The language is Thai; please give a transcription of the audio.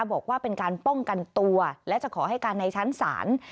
บอกว่าเป็นการป้องกันตัวและจะขอให้การในชั้นศาล